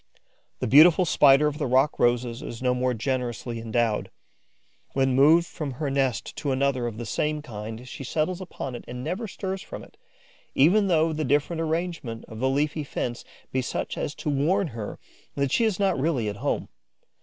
The beautiful Spider of the rock roses is no more generously endowed. When moved from her nest to another of the same kind, she settles upon it and never stirs from it, even though the different arrangement of the leafy fence be such as to warn her that she is not really at home.